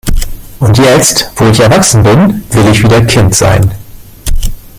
Und jetzt, wo ich erwachsen bin, will ich wieder Kind sein.